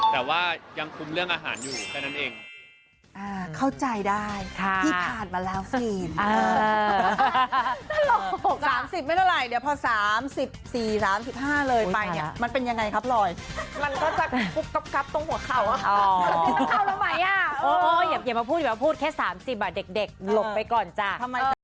แต่ว่ายังคุมเรื่องอาหารอยู่แค่นั้นเอง